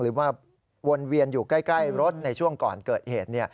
มาวนเวียนอยู่ใกล้รถในช่วงก่อนเกิดเหตุ